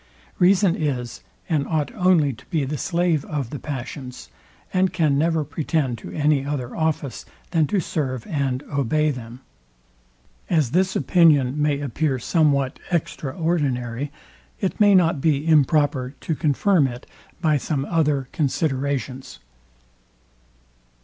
Reason is, and ought only to be the slave of the passions, and can never pretend to any other office than to serve and obey them. As this opinion may appear somewhat extraordinary, it may not be improper to confirm it by some other considerations.